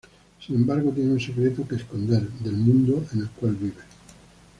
Sin embargo tiene un secreto que esconder del mundo en el cual vive.